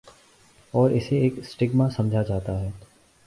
اور اسے ایک سٹیگما سمجھا جاتا ہے۔